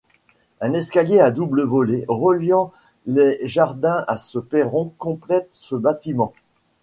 Un escalier à double volées, reliant les jardins à ce perron, complète ce bâtiment.